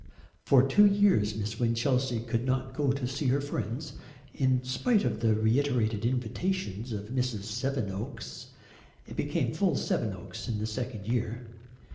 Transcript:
For two years Miss Winchelsea could not go to see her friends, in spite of the reiterated invitations of Mrs. Sevenoaks it became full Sevenoaks in the second year.